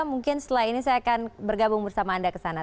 mungkin setelah ini saya akan bergabung bersama anda ke sana